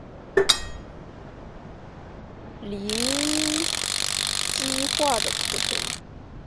羟基化的过程。